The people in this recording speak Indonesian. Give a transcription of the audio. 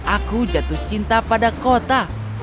aku jatuh cinta pada kota